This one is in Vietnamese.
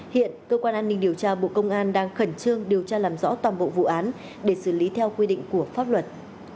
hiện cơ quan an ninh điều tra bộ công an đang khẩn trương điều tra làm rõ toàn bộ vụ án để xử lý theo quy định của pháp luật